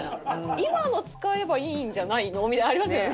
今の使えばいいんじゃないの？みたいな。ありますよね？